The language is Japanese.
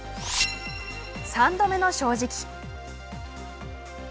三度目の正直。